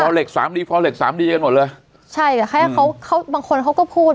พอเล็กสามดีพอเล็กสามดีกันหมดเลยใช่แต่เขาบางคนเขาก็พูด